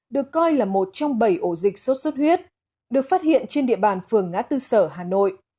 được coi là một trong bảy ổ dịch sốt xuất huyết được phát hiện trên địa bàn phường ngã tư sở hà nội